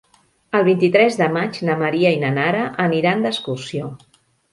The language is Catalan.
El vint-i-tres de maig na Maria i na Nara aniran d'excursió.